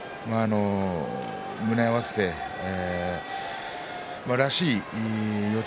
胸を合わせてらしい四つ